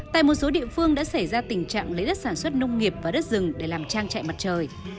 tại một số địa phương đã xảy ra tình trạng lấy đất sản xuất nông nghiệp và đất rừng để làm trang trại mặt trời